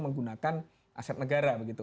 menggunakan aset negara